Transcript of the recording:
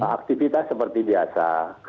aktivitas seperti biasa